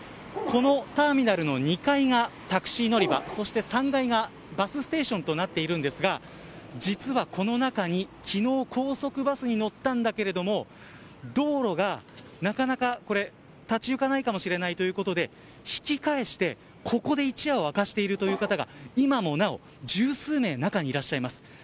このターミナルの２階がタクシー乗り場３階が、バスステーションとなっているんですが実は、この中に昨日、高速バスに乗ったけれど道路がなかなか立ちゆかないかもしれないということで引き返して、ここで一夜を明かしている方が今もなお１０数名中にいらっしゃいます。